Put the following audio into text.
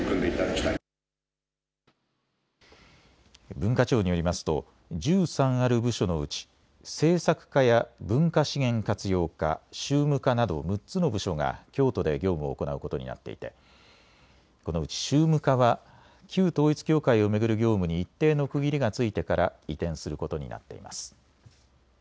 文化庁によりますと１３ある部署のうち政策課や文化資源活用課、宗務課など６つの部署が京都で業務を行うことになっていてこのうち宗務課は旧統一教会を巡る業務に一定の区切りが付いてから移転することになっています。